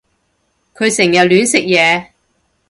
佢成日亂食嘢